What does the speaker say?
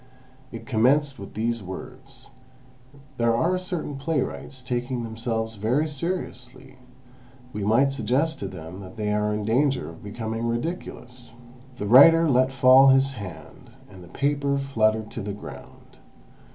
It commenced with these words: "There are certain playwrights taking themselves very seriously; might we suggest to them that they are in danger of becoming ridiculous ...." The writer let fall his hand, and the paper fluttered to the ground.